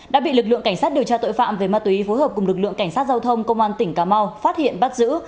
đã bị lực lượng cảnh sát điều tra tội phạm về ma túy phối hợp cùng lực lượng cảnh sát giao thông công an tỉnh cà mau phát hiện bắt giữ